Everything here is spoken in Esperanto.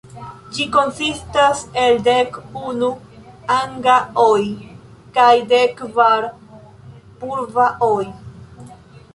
Ĝi konsistas el dek unu "anga-oj" kaj dek kvar "purva-oj".